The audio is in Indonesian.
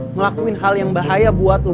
ngelakuin hal yang bahaya buat lo